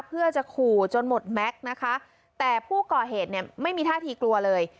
เพื่อจะขู่จนหมดแม็กซ์นะคะแต่ผู้ก่อเหตุเนี่ยไม่มีท่าทีกลัวเลย